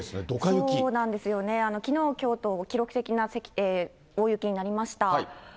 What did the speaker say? そうなんですよね、きのうきょうと、記録的な大雪になりました。